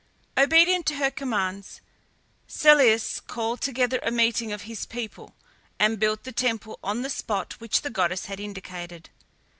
Obedient to her commands, Celeus called together a meeting of his people, and built the temple on the spot which the goddess had indicated.